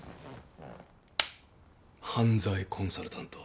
犯罪コンサルタント